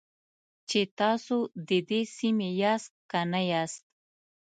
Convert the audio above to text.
چې تاسو د دې سیمې یاست که نه یاست.